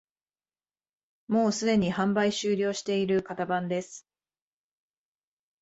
もうすでに販売終了している型番です